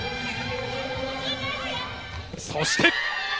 そして。